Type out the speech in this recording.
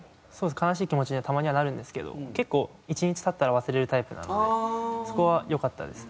悲しい気持ちにたまにはなるんですけど結構１日経ったら忘れるタイプなのでそこはよかったです。